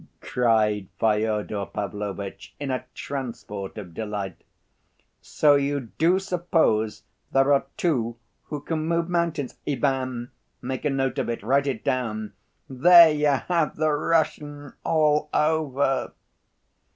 cried Fyodor Pavlovitch, in a transport of delight. "So you do suppose there are two who can move mountains? Ivan, make a note of it, write it down. There you have the Russian all over!"